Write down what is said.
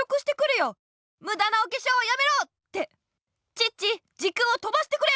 チッチ時空をとばしてくれ！